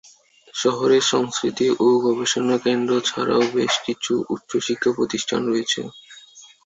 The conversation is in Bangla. শহরে সাংস্কৃতিক ও গবেষণা কেন্দ্র ছাড়াও বেশ কিছু উচ্চশিক্ষা প্রতিষ্ঠান রয়েছে।